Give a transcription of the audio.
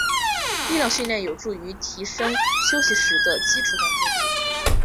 力量训练有助于提升休息时的基础代谢率。